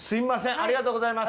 ありがとうございます！